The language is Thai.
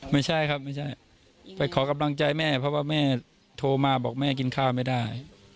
ไม่ใช่ครับไม่ใช่ไปขอกำลังใจแม่เพราะว่าแม่โทรมาบอกแม่กินข้าวไม่ได้